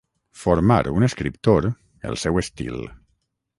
Formar, un escriptor, el seu estil.